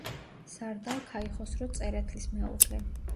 სარდალ ქაიხოსრო წერეთლის მეუღლე.